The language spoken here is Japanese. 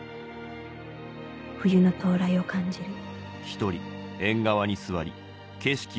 冬の到来を感じる」。